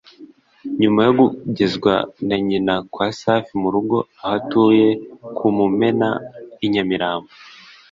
nyuma yo kugezwa na nyina kwa Safi mu rugo aho atuye ku Mumena i Nyamirambo